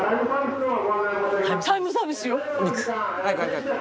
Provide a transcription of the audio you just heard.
タイムサービスよ！